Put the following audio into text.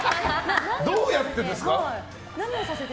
どうやってですか？